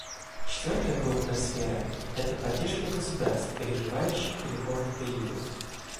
Четвертая крупная сфера — это поддержка государств, переживающих переходный период.